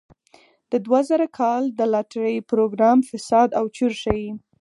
د دوه زره کال د لاټرۍ پروګرام فساد او چور ښيي.